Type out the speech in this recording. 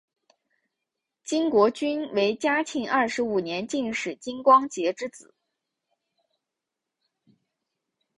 金国均为嘉庆二十五年进士金光杰之子。